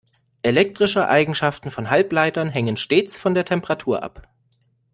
Elektrische Eigenschaften von Halbleitern hängen stets von der Temperatur ab.